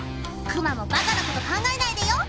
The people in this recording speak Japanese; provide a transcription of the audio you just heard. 熊もばかなこと考えないでよ！